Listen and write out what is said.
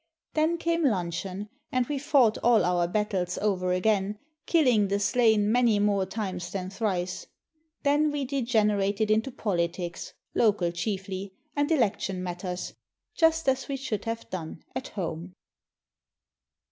Then came luncheon, and we fought all our battles over again, kiUing the slain many more times than thrice. Then we degenerated into politics — local chiefly, and election matters, just as we should have done at home.